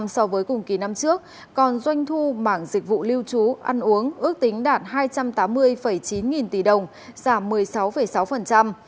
so với cùng kỳ năm trước còn doanh thu mảng dịch vụ lưu trú ăn uống ước tính đạt hai trăm tám mươi chín nghìn tỷ đồng giảm một mươi sáu sáu